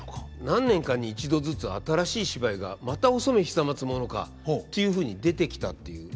何年かに一度ずつ新しい芝居が「またお染久松物か」っていうふうに出てきたっていう。